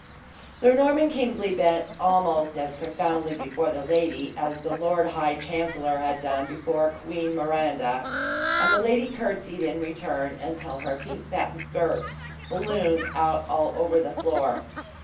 Sir Norman Kingsley bent almost as profoundly before the lady as the lord high chancellor had done before Queen Miranda; and the lady courtesied, in return, until her pink satin skirt ballooned out all over the floor.